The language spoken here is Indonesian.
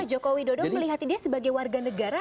pak jokowi melihat dia sebagai warga negara